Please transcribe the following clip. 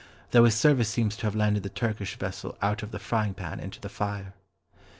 Though his service seems to have landed the Turkish vessel "out of the frying pan into the fire."